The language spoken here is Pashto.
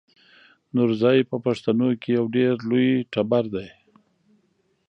نورزی په پښتنو کې یو ډېر لوی ټبر دی.